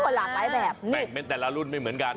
หลากหลายแบบแต่ละรุ่นไม่เหมือนกัน